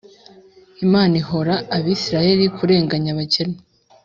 Imana ihora Abisirayeli kurenganya abakene